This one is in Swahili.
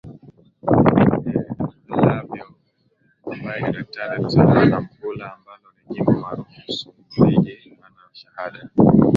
minneNhalevilo ambaye ni Daktari alizaliwa Nampula ambalo ni jimbo maarufu Msumbiji Ana shahada